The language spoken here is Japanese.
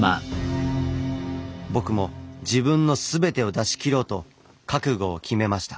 僕も自分の全てを出しきろうと覚悟を決めました。